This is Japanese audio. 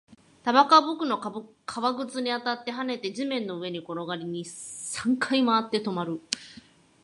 タバコは僕の革靴に当たって、跳ねて、地面の上に転がり、三回回って、止まる